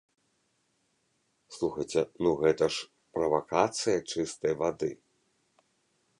Слухайце, ну, гэта ж правакацыя чыстай вады.